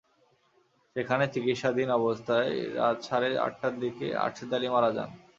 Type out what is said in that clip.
সেখানে চিকিৎসাধীন অবস্থায় রাত সাড়ে আটটার দিকে আরশেদ আলী মারা যান।